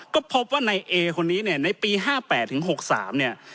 ก็พบว่าในเอคนนี้เนี่ยในปี๕๘ถึง๖๓เนี่ย